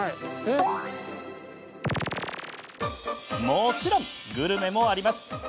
もちろん、グルメもあります。